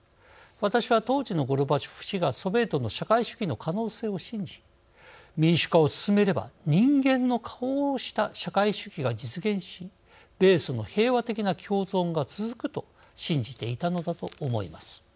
私は当時のゴルバチョフ氏がソビエトの社会主義の可能性を信じ民主化を進めれば人間の顔をした社会主義が実現し米ソの平和的な共存が続くと信じていたのだと思います。